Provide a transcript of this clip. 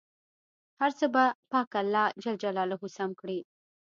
هر څه به پاک الله جل جلاله سم کړي.